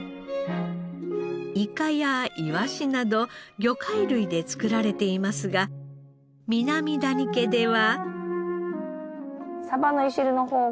イカやイワシなど魚介類で作られていますが南谷家では。